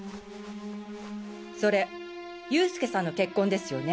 それ佑助さんの血痕ですよね？